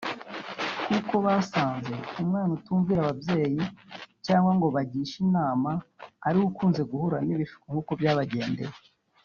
kuko basanze umwana utumvira ababyeyi cyangwa ngo bagishe inama ariwe ukunze guhura n’ibishuko nk’uko byabagendekeye